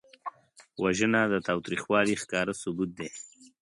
وژنه د تاوتریخوالي ښکاره ثبوت دی